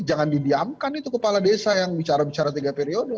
jangan didiamkan itu kepala desa yang bicara bicara tiga periode